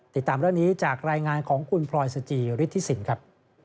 ติดตามเรื่องนี้จากรายงานของคุณพลอยสจิฤทธิสินครับ